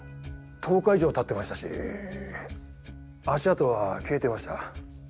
１０日以上たってましたし足跡は消えていました